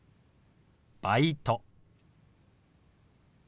「バイト」。